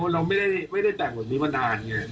เราไม่ได้แต่งแบบนี้มานานไง